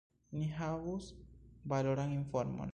Ni havus valoran informon.